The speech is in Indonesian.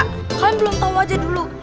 kalian belum tahu aja dulu